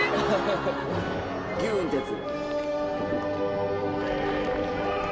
ビュンってやつ。